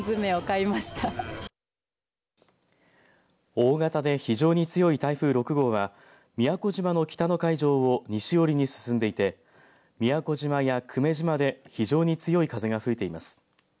大型で非常に強い台風６号は宮古島の北の海上を西寄りに進んでいて宮古島や久米島で非常に強い風が吹いています。